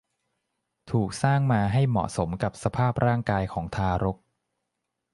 ถูกสร้างมาให้เหมาะสมกับสภาพร่างกายของทารก